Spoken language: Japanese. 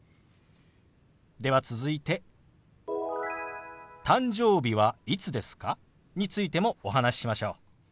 では続いて「誕生日はいつですか？」についてもお話ししましょう。